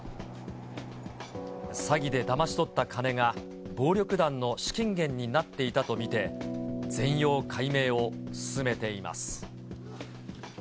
詐欺でだまし取った金が、暴力団の資金源になっていたと見て、全容解明を進めています。